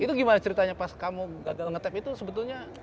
itu gimana ceritanya pas kamu gagal nge tap itu sebetulnya